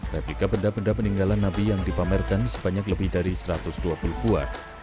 replika benda benda peninggalan nabi yang dipamerkan sebanyak lebih dari satu ratus dua puluh buah